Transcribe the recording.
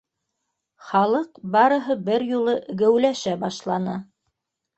Халыҡ барыһы бер юлы геүләшә башланы.